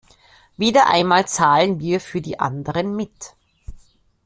Wieder einmal zahlen wir für die anderen mit.